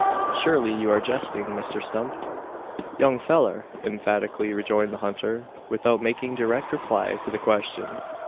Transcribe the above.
"Surely you are jesting, Mr Stump?" "Young fellur!" emphatically rejoined the hunter, without making direct reply to the question.